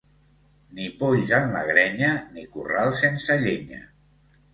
Ni polls en la grenya, ni corral sense llenya.